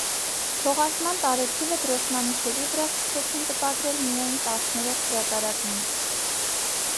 Թողարկման տարեթիվը դրոշմանիշերի վրա սկսեցին տպագրել միայն տասներորդ հրատարակումից։